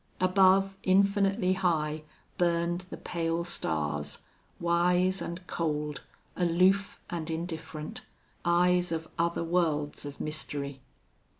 Above, infinitely high, burned the pale stars, wise and cold, aloof and indifferent, eyes of other worlds of mystery.